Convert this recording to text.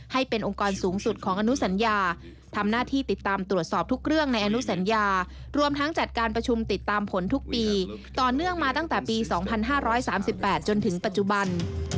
ให้เป็นองค์กรสูงสุดของอนุสัญญาทำหน้าที่ติดตามตรวจสอบทุกเรื่องในอนุสัญญารวมทั้งจัดการประชุมติดตามผลทุกปีต่อเนื่องมาตั้งแต่ปี๒๕๓๘จนถึงปัจจุบัน